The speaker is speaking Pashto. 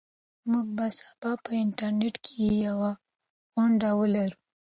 موږ به سبا په انټرنيټ کې یوه غونډه ولرو.